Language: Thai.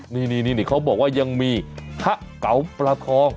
นี่เขาบอกว่ายังมีพระเก๋าปลาทอง